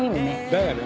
だよね。